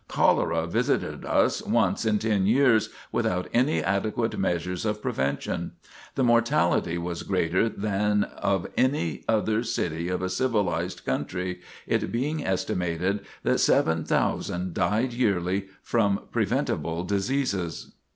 Cholera visited us once in ten years without any adequate measures of prevention. The mortality was greater than of any other city of a civilized country, it being estimated that 7,000 died yearly from preventable diseases.